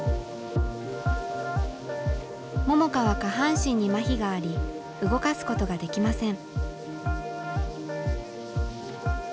桃佳は下半身にまひがあり動かすことができません。